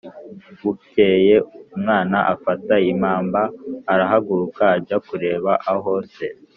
bukeye umwana afata impamba, arahaguruka ajya kureba aho se